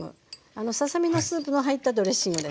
ささ身のスープが入ったドレッシングです。